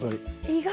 意外！